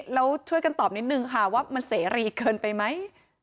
แล้วช่วยกันตอบนิดนึงค่ะว่ามันเสรีเกินไปไหม